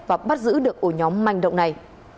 và bắt giữ được ổ nhóm manh động này